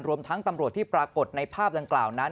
รวมทั้งตำรวจที่ปรากฏในภาพดังกล่าวนั้น